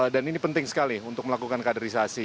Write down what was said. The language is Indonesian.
dan ini penting sekali untuk melakukan kaderisasi